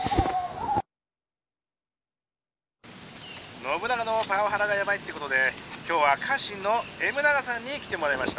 「信長のパワハラがやばいってことで今日は家臣のＭ永さんに来てもらいました」。